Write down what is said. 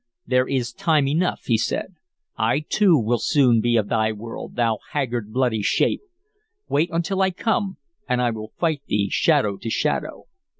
"There is time enough," he said. "I too will soon be of thy world, thou haggard, bloody shape. Wait until I come, and I will fight thee, shadow to shadow."